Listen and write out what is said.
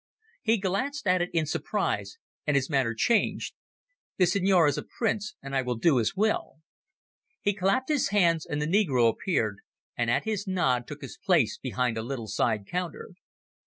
He glanced at it in surprise and his manner changed. "The Signor is a Prince, and I will do his will." He clapped his hands and the negro appeared, and at his nod took his place behind a little side counter.